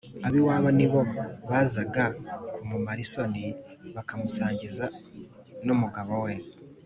Ab’iwabo ni bo bazaga kumumara isoni, bakamusangiza n’umugabo we.